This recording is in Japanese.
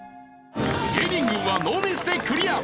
芸人軍はノーミスでクリア！